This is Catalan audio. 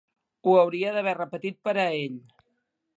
Ho hauria d'haver repetit per a ell.